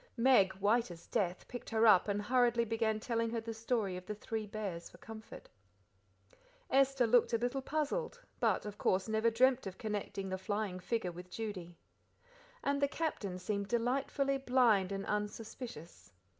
Meg, white as death, picked her up and hurriedly began telling her the story of the three bears for comfort. Esther looked a little puzzled, but, of course, never dreamt of connecting the flying figure with Judy. And the Captain seemed delightfully blind and unsuspicious.